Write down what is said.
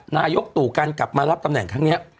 นายกตู่การกลับมารับตำแหน่งครั้งนี้